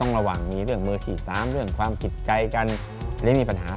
ต้องระหว่างมีเรื่องมือถี่ซ้ำเรื่องความผิดใจกันและมีปัญหา